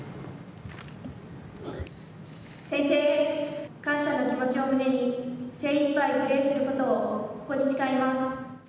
宣誓感謝の気持ちを胸に精いっぱいプレーすることをここに誓います。